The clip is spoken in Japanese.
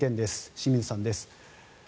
清水さんです。